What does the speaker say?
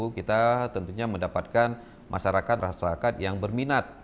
kita tentunya mendapatkan masyarakat masyarakat yang berminat